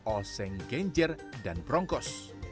oseng genjer dan prongkos